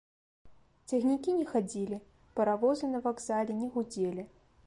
Цягнікі не хадзілі, паравозы на вакзале не гудзелі.